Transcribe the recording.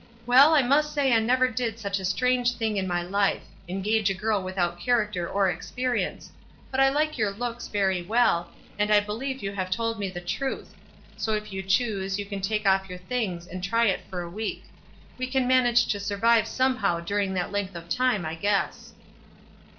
Well, I must say I never did such a strange thing in my life !— engage a girl without char acter or experience ; but I like your looks very well, and I believe you have told me the truth ; so if yon choose, you can take off your things, and try it for a week. We can manage to sur vive somehow during that length of time, I guess."